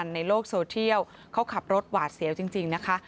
ในโลกโซเชียลเขาขับรถหวาดเสียวจริงนะคะ